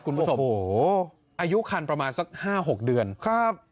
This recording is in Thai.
คุณผู้ชมโอ้โหอายุคันประมาณสักห้าหกเดือนครับ